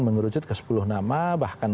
mengerucut ke sepuluh nama bahkan